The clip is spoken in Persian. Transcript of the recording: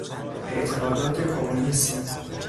اعتقادات کمونیسم